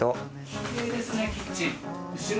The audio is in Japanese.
キレイですねキッチン。